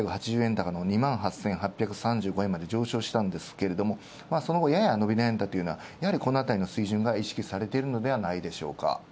高の２８８３５まで上昇しましたが、その後やや伸び悩んだこのあたりの水準が意識されているのではないでしょうか。